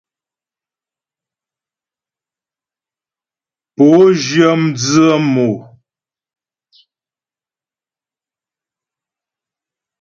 Pǒ zhyə mdzə̌ mɔ́.